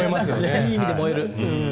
いい意味で燃える。